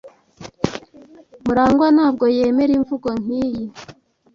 Murangwa ntabwo yemera imvugo nkiyi.